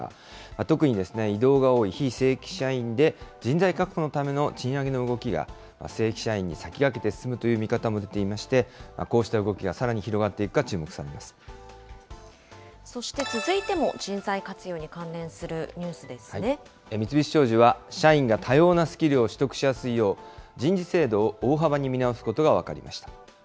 特に移動が多い非正規社員で、人材確保のための賃上げの動きが正規社員に先駆けて進むという見方も出ていまして、こうした動きがさらに広がっていくか注目されそして続いても人材活用に関三菱商事は社員が多様なスキルを取得しやすいよう、人事制度を大幅に見直すことが分かりまし